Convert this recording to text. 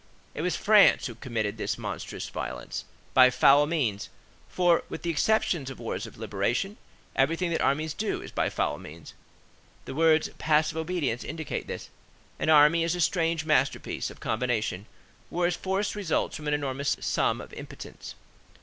It was France who committed this monstrous violence; by foul means, for, with the exception of wars of liberation, everything that armies do is by foul means. The words passive obedience indicate this. An army is a strange masterpiece of combination where force results from an enormous sum of impotence.